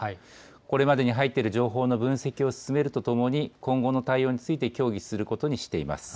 これまでに入っている情報の分析を進めるとともに、今後の対応について協議することにしています。